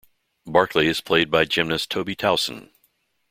Barkley is played by gymnast Toby Towson.